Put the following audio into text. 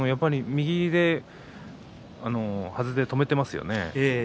右で、はずで止めていますよね。